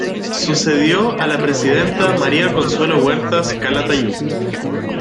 Sucedió a la Presidenta María Consuelo Huertas Calatayud.